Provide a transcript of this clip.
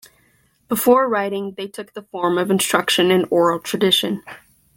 Before writing, they took the form of instruction in oral tradition.